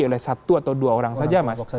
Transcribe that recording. oleh satu atau dua orang saja mas